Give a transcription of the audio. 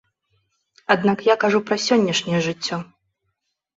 Аднак я кажу пра сённяшняе жыццё.